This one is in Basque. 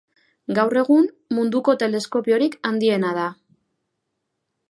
Gaur egun, munduko teleskopiorik handiena da.